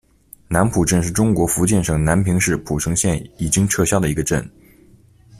南浦镇是中国福建省南平市浦城县已经撤销的一个镇。